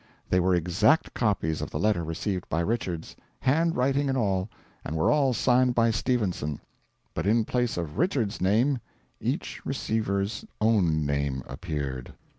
They were exact copies of the letter received by Richards handwriting and all and were all signed by Stephenson, but in place of Richards's name each receiver's own name appeared.